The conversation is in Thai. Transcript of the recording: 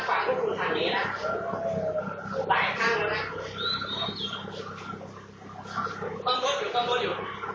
ฝั่งก็คุณทำเนี้ยล่ะหลายข้างเลยล่ะต้องโปรดอยู่ต้องโปรดอยู่